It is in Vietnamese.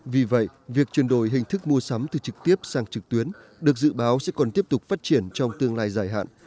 vì vậy việc chuyển đổi hình thức mua sắm từ trực tiếp sang trực tuyến được dự báo sẽ còn tiếp tục phát triển trong tương lai dài hạn